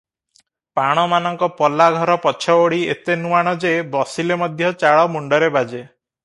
ପାଣମାନଙ୍କ ପଲାଘର ପଛ ଓଳି ଏତେ ନୁଆଣ ଯେ, ବସିଲେ ମଧ୍ୟ ଚାଳ ମୁଣ୍ଡରେ ବାଜେ ।